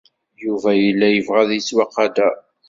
Yuba yella yebɣa ad yettwaqader.